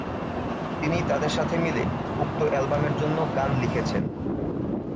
তিনি তাদের সাথে মিলে উক্ত অ্যালবামের জন্য গান লিখেছেন।